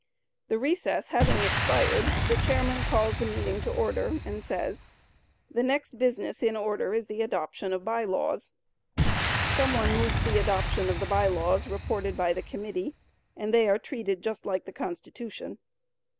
The recess having expired, the chairman calls the meeting to order and says, "The next business in order is the adoption of By Laws." Some one moves the adoption of the By Laws reported by the committee, and they are treated just like the Constitution.